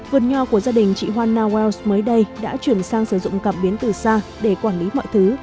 vườn nho của gia đình chị hoa wells mới đây đã chuyển sang sử dụng cảm biến từ xa để quản lý mọi thứ